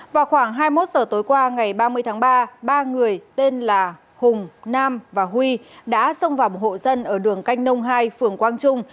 vào khoảng hai mươi một giờ tối qua ngày ba mươi tháng ba ba người tên là hùng nam và huy đã xông vào một hộ dân ở đường canh nông hai phường quang trung